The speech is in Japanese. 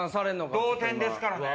同点ですからね。